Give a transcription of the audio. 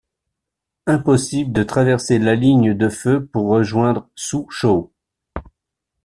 Impossible de traverser la ligne de feu pour rejoindre Sou-Chow.